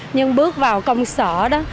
nhưng bước vào công sở đó